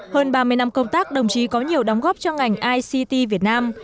hơn ba mươi năm công tác đồng chí có nhiều đóng góp cho ngành ict việt nam